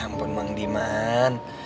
ya ampun mang diman